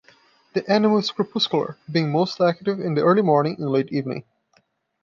The animal is crepuscular, being most active in the early morning and late evening.